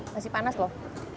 masih panas loh